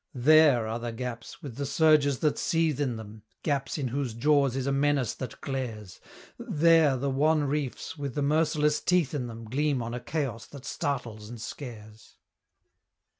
There are the gaps, with the surges that seethe in them Gaps in whose jaws is a menace that glares! There the wan reefs, with the merciless teeth in them, Gleam on a chaos that startles and scares!